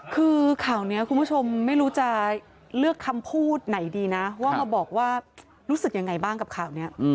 คือข่าวนี้คุณผู้ชมไม่รู้จะเลือกคำพูดไหนดีนะว่ามาบอกว่ารู้สึกยังไงบ้างกับข่าวนี้